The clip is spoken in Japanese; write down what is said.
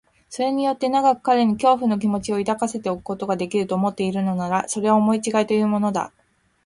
それによって長く彼に恐怖の気持を抱かせておくことができる、と思っているのなら、それは思いちがいというものだ。